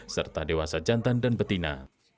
serta dewasa jantan dan betina